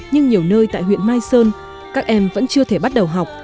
nhưng nhiều nơi tại huyện mai sơn các em vẫn chưa thể bắt đầu học